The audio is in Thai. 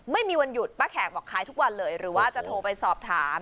ไม่มีวันหยุดป้าแขกบอกขายทุกวันเลยหรือว่าจะโทรไปสอบถาม